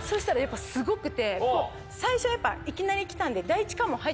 最初やっぱいきなり来たんで。